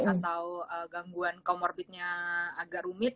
atau gangguan comorbidnya agak rumit